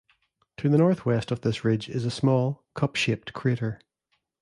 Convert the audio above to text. To the northwest of this ridge is a small, cup-shaped crater.